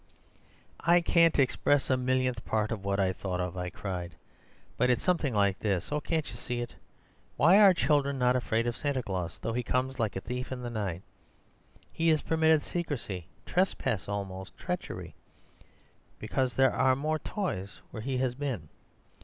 "'I can't express a millionth part of what I've thought of,' I cried, 'but it's something like this... oh, can't you see it? Why are children not afraid of Santa Claus, though he comes like a thief in the night? He is permitted secrecy, trespass, almost treachery—because there are more toys where he has been.